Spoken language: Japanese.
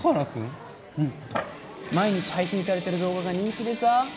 毎日配信されてる動画が人気でさ。